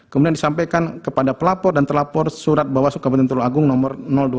kemudian disampaikan kepada pelapor dan terlapor surat bahwa suku kapten tulung agung nomor dua puluh tujuh